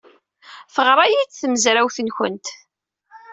Teɣra-iyi-d tmezrawt-nwent.